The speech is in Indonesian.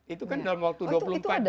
itu kan dalam waktu dua puluh empat jam